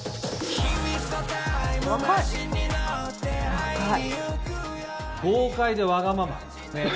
若い！